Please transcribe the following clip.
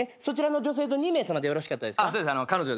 そちらの女性と２名さまでよろしかったですか？